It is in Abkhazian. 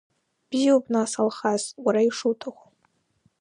Бзиоуп, нас, Алхас, уара ишуҭаху.